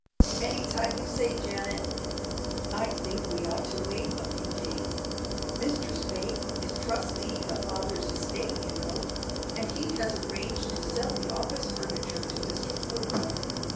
"Any time you say, Janet." "I think we ought to wait a few days. Mr. Spaythe is trustee of father's estate, you know, and he has arranged to sell the office furniture to Mr. Holbrook.